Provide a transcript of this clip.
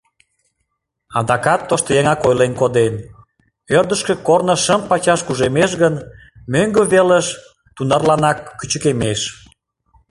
Адакат тоштыеҥак ойлен коден: «Ӧрдыжкӧ корно шым пачаш кужемеш гын, мӧҥгӧ велыш тунарланак кӱчыкемеш».